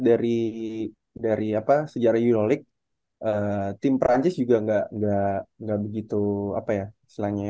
dari dari apa sejarah euroleague tim perancis juga enggak enggak enggak begitu apa ya selainnya